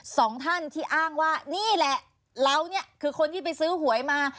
สองท่านที่อ้างว่านี่แหละเราเนี่ยคือคนที่ไปซื้อหวยมา